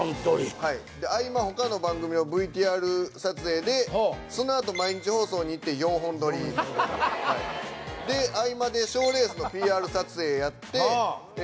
はいで合間他の番組をＶＴＲ撮影でそのあと毎日放送に行って４本撮りで合間で賞レースのＰＲ撮影やってええ